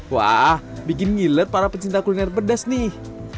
wah bikin ngilet para pecinta kuliner pedas nih